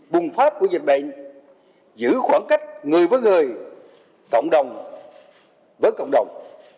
bùng phát của dịch bệnh giữ khoảng cách người với người cộng đồng với cộng đồng